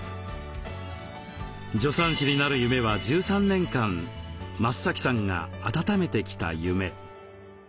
助産師になる夢は１３年間増さんがあたためてきた夢。